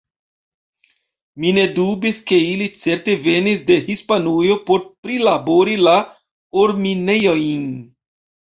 Mi ne dubis, ke ili certe venis de Hispanujo por prilabori la orminejojn.